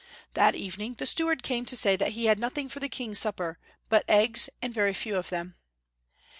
That evening the steward came to say that he had nothing for the King's supper but eggs, and very few of them.